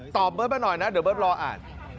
เบิร์ตมาหน่อยนะเดี๋ยวเบิร์ตรออ่าน